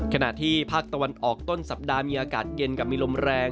ขณะที่ภาคตะวันออกต้นสัปดาห์มีอากาศเย็นกับมีลมแรง